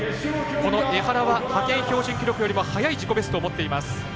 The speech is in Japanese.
この江原は派遣標準記録よりも早い自己ベストを持っています。